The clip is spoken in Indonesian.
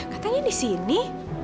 katanya di sini